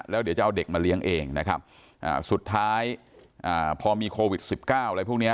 แล้วเดี๋ยวจะเอาเด็กมาเลี้ยงเองนะครับสุดท้ายพอมีโควิด๑๙อะไรพวกนี้